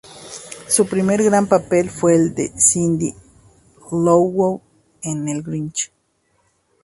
Su primer gran papel fue el de Cindy Lou Who en "El Grinch".